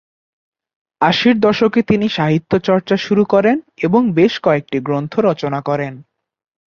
আশির দশকে তিনি সাহিত্যচর্চা শুরু করেন এবং বেশ কয়েকটি গ্রন্থ রচনা করেন।